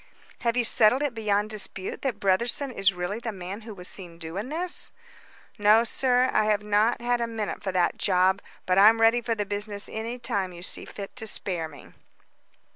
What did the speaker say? "Have you settled it beyond dispute that Brotherson is really the man who was seen doing this?" "No, sir. I have not had a minute for that job, but I'm ready for the business any time you see fit to spare me."